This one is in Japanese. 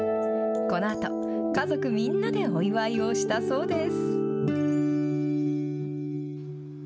このあと、家族みんなでお祝いをしたそうです。